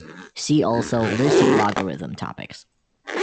See also list of logarithm topics.